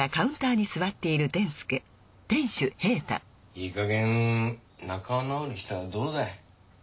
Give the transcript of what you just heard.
いいかげん仲直りしたらどうだい。